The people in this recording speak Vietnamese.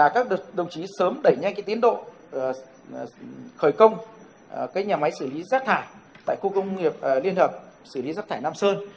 các nhà máy xử lý chất thải tại khu công nghiệp liên hợp xử lý chất thải nam sơn